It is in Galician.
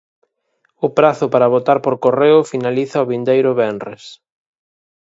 O prazo para votar por correo finaliza o vindeiro venres.